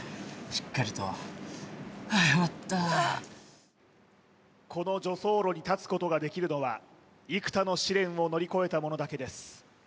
しっかりとこの助走路に立つことができるのは幾多の試練を乗り越えた者だけです